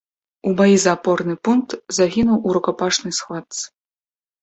У баі за апорны пункт загінуў у рукапашнай схватцы.